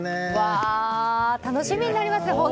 楽しみになりますね。